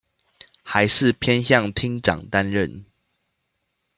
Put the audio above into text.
還是偏向廳長擔任